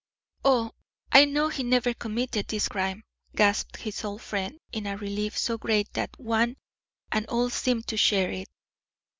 "Oh, I know he never committed this crime," gasped his old friend, in a relief so great that one and all seemed to share it.